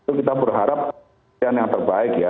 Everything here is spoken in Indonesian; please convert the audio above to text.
itu kita berharap yang terbaik ya